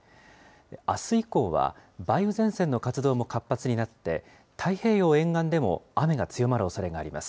あす以降は梅雨前線の活動も活発になって、太平洋沿岸でも雨が強まるおそれがあります。